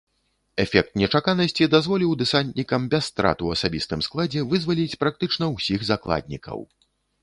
Эфект нечаканасці дазволіў дэсантнікам без страт у асабістым складзе вызваліць практычна ўсіх закладнікаў.